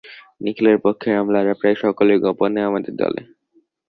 নিখিলের পক্ষের আমলারা প্রায় সকলেই গোপনে আমাদের দলে।